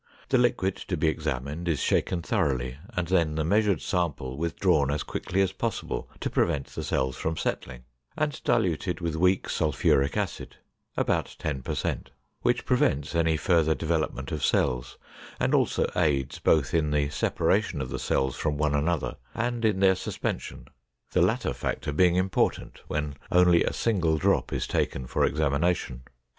The liquid to be examined is shaken thoroughly and then the measured sample withdrawn as quickly as possible to prevent the cells from settling and diluted with weak sulphuric acid (about 10 per cent), which prevents any further development of cells, and also aids both in the separation of the cells from one another and in their suspension—the latter factor being important when only a single drop is taken for examination.